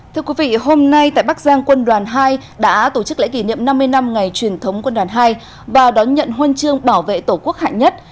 thưa quý vị hôm nay tại bắc giang quân đoàn hai đã tổ chức lễ kỷ niệm năm mươi năm ngày truyền thống quân đoàn hai và đón nhận huân chương bảo vệ tổ quốc hạnh nhất